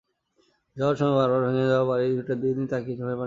যাওয়ার সময় বারবার ভেঙে যাওয়া বাড়ি-ভিটার দিকে তাকিয়ে চোখের পানি ফেলছেন।